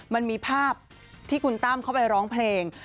มันมีภาพที่คุณตั้มเข้าไปร้องเพลง